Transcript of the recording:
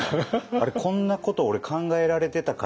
あれこんなこと俺考えられてたかな？